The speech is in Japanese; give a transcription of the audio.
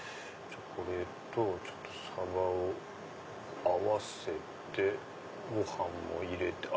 これとサバを合わせてご飯も入れて。